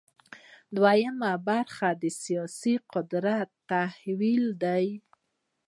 دویمه برخه د سیاسي قدرت تحلیل دی.